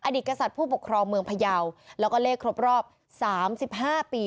อดิตกษัตริย์ผู้ปกครองเมืองพยาวแล้วก็เลขครบรอบสามสิบห้าปี